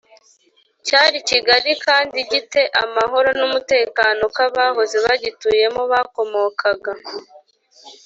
cyari kigari kandi gi te amahoro n umutekano k Abahoze bagituyemo bakomokaga